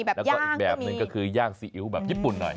แล้วก็อีกแบบหนึ่งก็คือย่างซีอิ๊วแบบญี่ปุ่นหน่อย